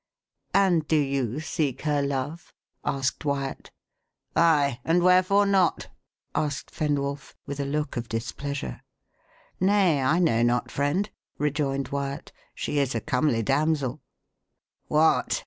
"And do you seek her love?" asked Wyat. "Ay, and wherefore not?" asked Fenwolf, with a look of displeasure. "Nay, I know not, friend," rejoined Wyat. "She is a comely damsel." "What!